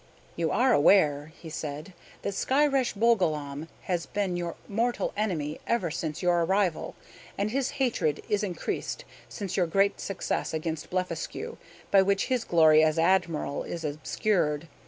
"You are aware," he said, "that Skyresh Bolgolam has been your mortal enemy ever since your arrival, and his hatred is increased since your great success against Blefuscu, by which his glory as admiral is obscured.